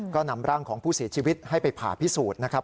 ก็นำร่างของผู้เสียชีวิตให้ไปผ่าพิสูจน์นะครับ